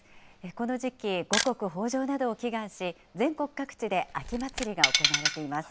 この時期、五穀豊じょうなどを祈願し、全国各地で秋祭りが行われています。